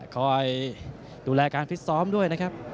คอยดูแลการฟิตซ้อมด้วยนะครับ